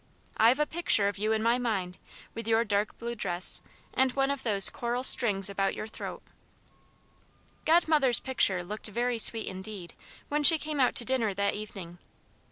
I've a picture of you in my mind, with your dark blue dress and one of those coral strings about your throat." Godmother's picture looked very sweet indeed when she came out to dinner that evening.